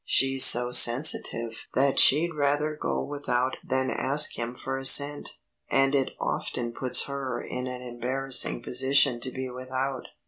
She's so sensitive that she'd rather go without than ask him for a cent, and it often puts her in an embarrassing position to be without."